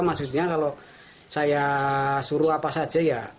maksudnya kalau saya suruh apa saja ya